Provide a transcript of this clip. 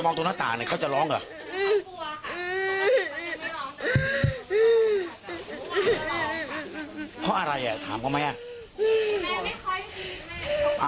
มันชอบไหมอ่ะ